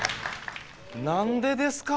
何でですか？